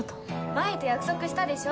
麻依と約束したでしょ？